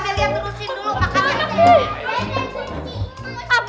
amelia terusin dulu makannya tempe